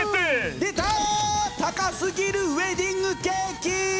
出た高すぎるウエディングケーキ！